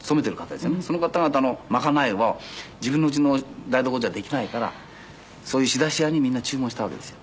そのかたがたの賄いを自分の家の台所じゃできないからそういう仕出し屋にみんな注文したわけですよ。